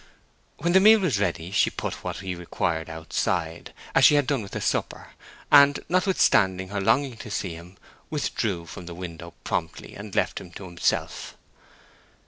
When the meal was ready, she put what he required outside, as she had done with the supper; and, notwithstanding her longing to see him, withdrew from the window promptly, and left him to himself.